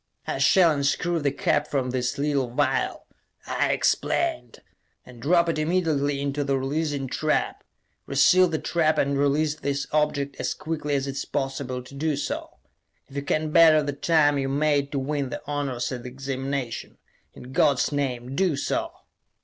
"I shall unscrew the cap from this little vial," I explained, "and drop it immediately into the releasing trap. Re seal the trap and release this object as quickly as it is possible to do so. If you can better the time you made to win the honors at the Examination in God's name, do so!"